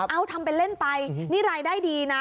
เอาทำเป็นเล่นไปนี่รายได้ดีนะ